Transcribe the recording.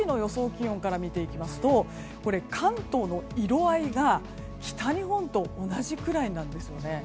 気温から見ていきますと関東の色合いが、北日本と同じくらいなんですよね。